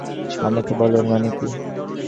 আমাকে বলো এর মানে কি!